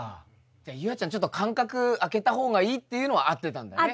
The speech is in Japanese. じゃあ夕空ちゃんちょっと間隔空けた方がいいっていうのは合ってたんだね。